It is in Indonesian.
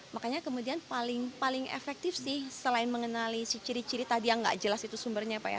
makanya kemudian paling efektif sih selain mengenali ciri ciri tadi yang tidak jelas itu sumbernya